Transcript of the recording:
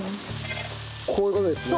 こういう事ですね。